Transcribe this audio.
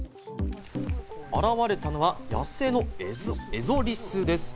現れたのは野生のエゾリスです。